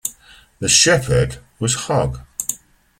The Shepherd was Hogg.